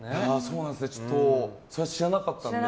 ちょっとそれは知らなかったので。